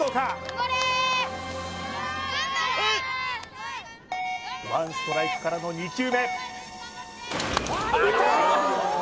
頑張れプレー１ストライクからの２球目打った！